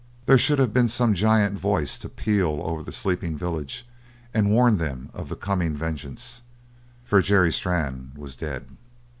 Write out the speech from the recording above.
There should have been some giant voice to peal over the sleeping village and warn them of the coming vengeance for Jerry Strann was dead!